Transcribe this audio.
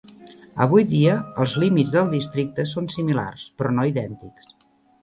Avui dia, els límits del districte són similars, però no idèntics.